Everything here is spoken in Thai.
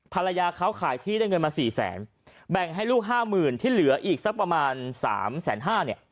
ภรรยาเขาขายที่ได้เงินมาสี่แสนแบ่งให้ลูกห้าหมื่นที่เหลืออีกสักประมาณสามแสนห้าเนี่ย